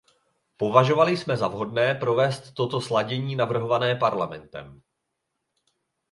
Považovali jsme za vhodné provést toto sladění navrhované Parlamentem.